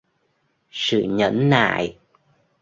sự nhẫn nại